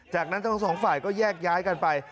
จากนั้นทั้งสองฝ่ายก็แยกย้ายกันไป